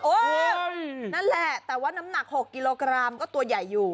นั่นแหละแต่ว่าน้ำหนัก๖กิโลกรัมก็ตัวใหญ่อยู่